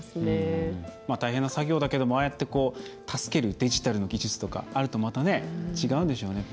大変な作業だけどもああやって助けるデジタルの技術とかあるとまた違うんでしょうね。